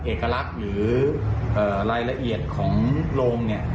เอกลักษณ์หรือรายละเอียดของโรงเนี่ย